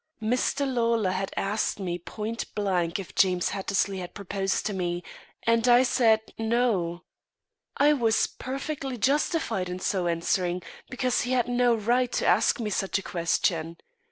Mr. Lawlor had asked me point blank if James Hattersley had proposed to me, and I said, 'No.' I was perfectly justified in so answering, because he had no right to ask me such a question.